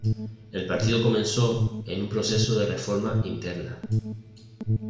El partido comenzó un proceso de reforma interna.